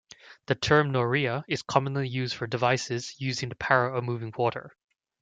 The term noria is commonly used for devices using the power of moving water.